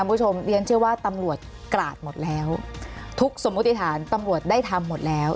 คุณผู้ชมเรียนเชื่อว่าตำรวจกราดหมดแล้วทุกสมมติฐานตำรวจได้ทำหมดแล้ว